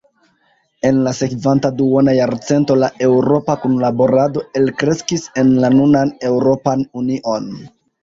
En la sekvanta duona jarcento la eŭropa kunlaborado elkreskis en la nunan Eŭropan Union.